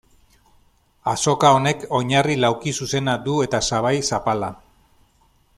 Azoka honek oinarri laukizuzena du eta sabai zapala.